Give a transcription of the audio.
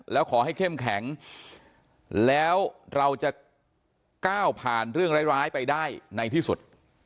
แล้วขอให้เข้มแข็งแล้วเราจะก้าวผ่านเรื่องร้ายไปได้ในที่สุด